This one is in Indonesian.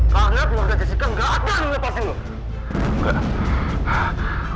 karena keluarga jessica gak akan melepaskan lo